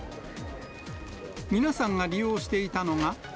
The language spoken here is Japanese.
皆さんが利用していたのが。